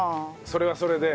それはそれで。